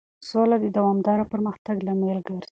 سوله د دوامدار پرمختګ لامل ګرځي.